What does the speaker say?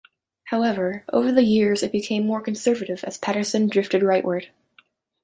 However, over the years, it became more conservative as Patterson drifted rightward.